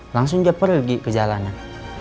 langsung dia pergi ke jalanan